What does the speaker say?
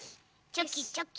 チョキチョキ。